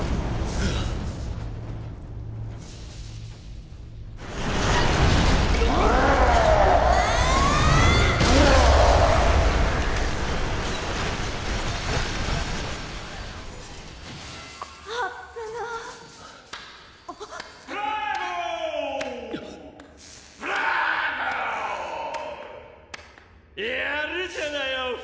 やるじゃないお２人さん！